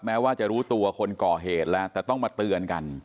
แม้ว่าจะรู้ตัวคนก่อเหตุแล้วแต่ต้องมาเตือนกัน